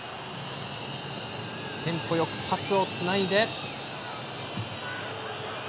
テンポよくパスをつないで。